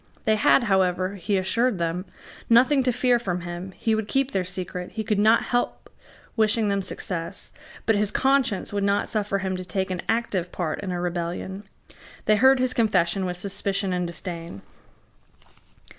They had, however, he assured them, nothing to fear from him: he would keep their secret; he could not help wishing them success; but his conscience would not suffer him to take an active part in a rebellion. They heard his confession with suspicion and disdain.